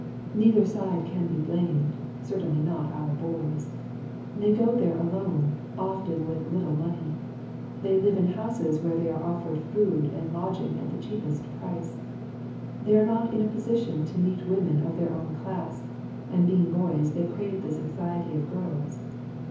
Neither side can be blamed, certainly not our boys. They go there alone, often with little money. They live in houses where they are offered food and lodging at the cheapest price. They are not in a position to meet women of their own class, and being boys they crave the society of girls.